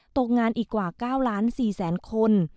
ตกงานอีกกว่า๙ล้าน๔แสนคน